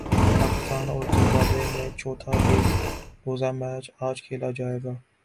پاکستان اور زمبابوے میں چوتھا ایک روزہ میچ اج کھیلا جائے گا